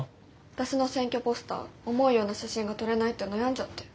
私の選挙ポスター思うような写真が撮れないって悩んじゃって。